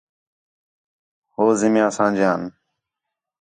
ہو زمیناں اسانجیان